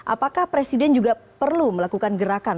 apakah presiden juga perlu melakukan gerakan